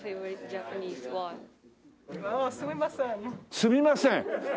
すみません。